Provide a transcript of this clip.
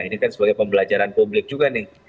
ini kan sebagai pembelajaran publik juga nih